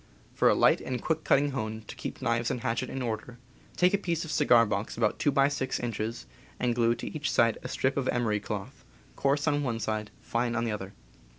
For a light and quick cutting hone, to keep knives and hatchet in order, take a piece of cigar box about ^, two by six inches and glue to each side a strip of emery cloth, coarse on one side, fine on the other.